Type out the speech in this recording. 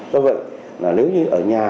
do vậy là nếu như ở nhà